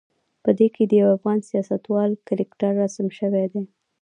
په دې کې د یوه افغان سیاستوال کرکتر رسم شوی دی.